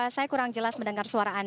saya kurang jelas mendengar suara anda